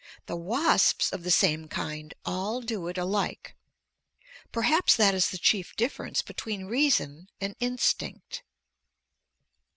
The wasps of the same kind all do it alike. Perhaps that is the chief difference between reason and instinct.